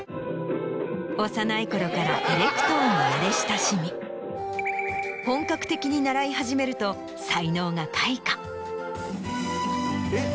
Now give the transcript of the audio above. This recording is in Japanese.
幼い頃からエレクトーンに慣れ親しみ本格的に習い始めると。えっ？